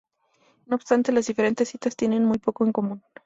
No obstante, las diferentes citas tienen muy poco en común.